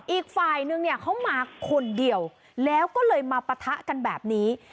อีกฝ่ายนึงเนี่ยเขามาคนเดียวแล้วก็เลยมาปะทะกันแบบนี้